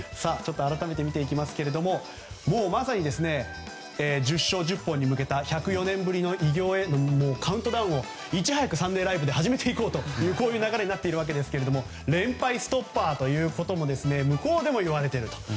改めて見ていきますけどもうまさに１０勝１０本に向けた１０４年ぶりの偉業へのカウントダウンをいち早く「サンデーＬＩＶＥ！！」で始めていこうとこういう流れになっているわけですが連敗ストッパーということも向こうでも言われていると。